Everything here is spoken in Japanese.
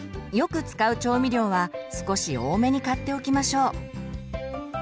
よく使う調味料は少し多めに買っておきましょう。